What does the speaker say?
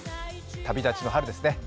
旅立ちの春ですね。